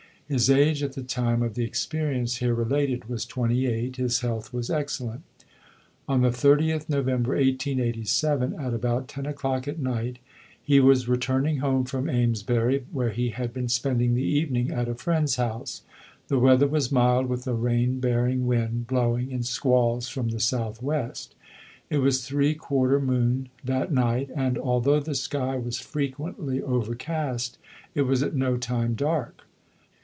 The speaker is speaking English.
His age at the time of the experience here related was twenty eight. His health was excellent. On the 30th November, 1887, at about ten o'clock at night, he was returning home from Amesbury where he had been spending the evening at a friend's house. The weather was mild, with a rain bearing wind blowing in squalls from the south west. It was three quarter moon that night, and although the sky was frequently overcast it was at no time dark.